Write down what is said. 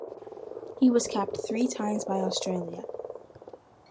He was capped three times by Australia.